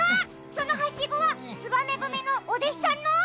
そのハシゴはつばめぐみのおでしさんの？